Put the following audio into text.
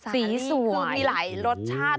สีสวยมีหลายรสชาติ